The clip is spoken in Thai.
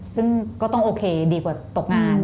ซึ่งก็ต้องโอเคดีกว่าตกงาน